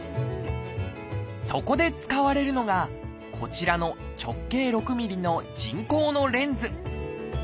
そこで使われるのがこちらの直径６ｍｍの人工のレンズ。